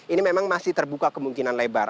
ini memang masih terbuka kemungkinan lebar